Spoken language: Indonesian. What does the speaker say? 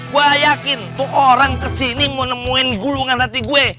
gue yakin tuh orang kesini mau nemuin gulungan hati gue